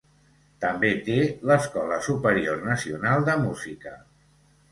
També té l'Escola Superior Nacional de Música.